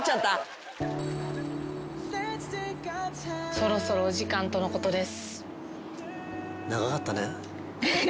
そろそろお時間とのことです。